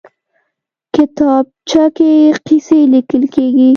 کتابچه کې قصې لیکل کېږي